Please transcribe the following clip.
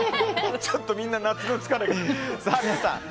ちょっとみんな、夏の疲れが。